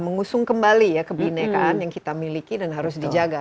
mengusung kembali ya kebinekaan yang kita miliki dan harus dijaga